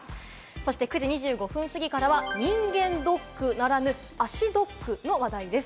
そして９時２５分過ぎからは人間ドックならぬ足ドックの話題です。